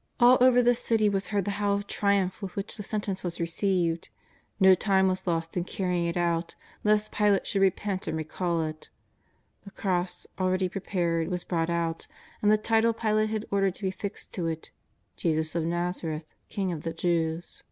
'' All over the City was heard the howl of triumph with which the sentence was received. 'No time was lost in carrying it out, lest Pilate should repent and recall it. The cross, already prepared, was brought out, and the title Pilate had ordered to be fixed to it :" Jesus of !N'azaeeth^ King of the Jews."